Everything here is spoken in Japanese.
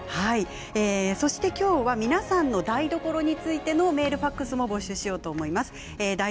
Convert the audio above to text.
そして今日は皆さんの台所についてのメール、ファックスも募集しようと思います。